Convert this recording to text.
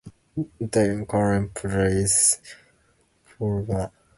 Dylan currently plays for Michigan State University.